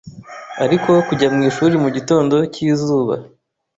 Ariko kujya mwishuri mugitondo cyizuba